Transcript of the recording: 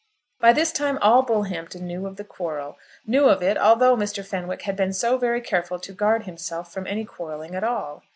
By this time all Bullhampton knew of the quarrel, knew of it, although Mr. Fenwick had been so very careful to guard himself from any quarrelling at all.